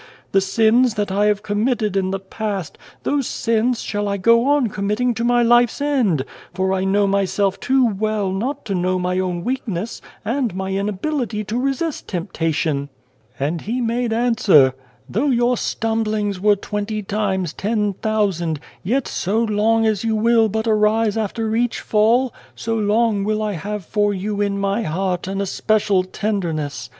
The sins that I have committed in the past, those sins shall I go on committing to my life's end, for I know myself too well not to know my own weakness, and my inability to resist temptation.' " And He made answer, * Though your stumblings were twenty times ten thousand, yet so long as you will but arise after each fall, so long will I have for you in My heart an especial tenderness.